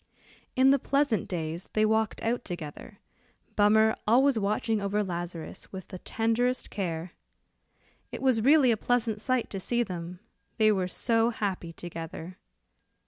In the pleasant days they walked out together, Bummer always watching over Lazarus with the tenderest care. It was really a pleasant sight to see them, they were so happy together.